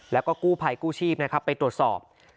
แล้วก็กู้ภัยกู้ชีพนะครับไปตรวจสอบ